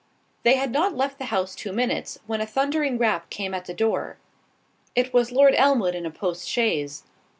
They had not left the house two minutes, when a thundering rap came at the door—it was Lord Elmwood in a post chaise.